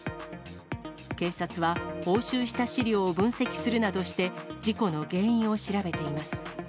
警察は、押収した資料を分析するなどして、事故の原因を調べています。